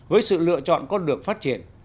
với sự lựa chọn có được phát triển